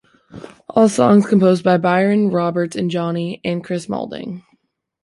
All songs composed by Byron Roberts and Jonny and Chris Maudling.